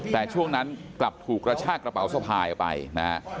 แต่ช่วงนั้นกลับถูกกระชากระเป๋าสะพายออกไปนะฮะ